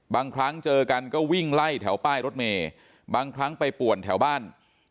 บางครั้งเจอกันก็วิ่งไล่แถวป้ายรถเมย์บางครั้งไปป่วนแถวบ้าน